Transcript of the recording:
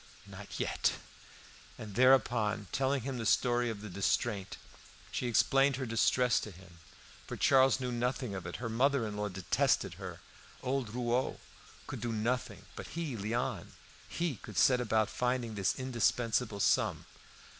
"Not yet." And thereupon, telling him the story of the distraint, she explained her distress to him; for Charles knew nothing of it; her mother in law detested her; old Rouault could do nothing; but he, Léon, he would set about finding this indispensable sum.